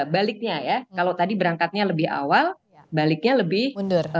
baliknya ya kalau tadi berangkatnya lebih awal baliknya lebih mundur